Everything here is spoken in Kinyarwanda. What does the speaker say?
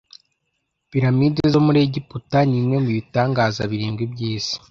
Piramide zo muri Egiputa nimwe mubitangaza birindwi byisi.